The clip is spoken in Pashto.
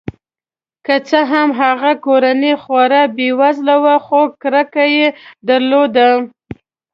که څه هم هغه کورنۍ خورا بې وزله وه خو کرکه یې درلوده.